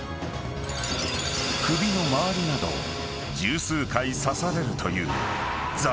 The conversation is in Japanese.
［首の周りなどを十数回刺されるという］